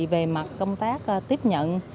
về mặt công tác tiếp nhận